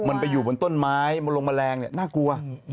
มันไปอยู่บนต้นไม้บนลงแมลงเนี่ยน่ากลัว